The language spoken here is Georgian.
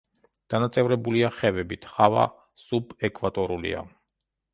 დანაწევრებულია ხევებით, ჰავა სუბეკვატორულია.